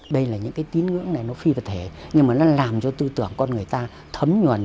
đây là những cái tín ngưỡng này nó phi vật thể nhưng mà nó làm cho tư tưởng con người ta thấm nhuần